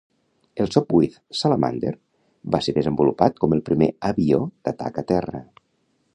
El Sopwith Salamander va ser desenvolupat com el primer avió d'atac a terra.